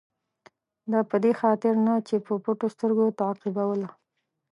دا په دې خاطر نه چې په پټو سترګو تعقیبوله.